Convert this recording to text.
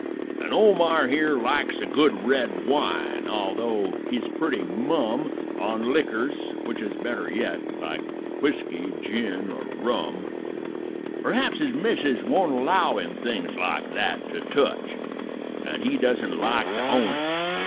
"And Omar here likes a good red wine, although he's pretty mum; On liquors, which is better yet, like whisky, gin, or rum; Perhaps his missus won't allow him things like that to touch, And he doesn't like to own it.